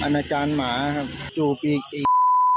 อาจารย์หมาครับจู่ปีกอีก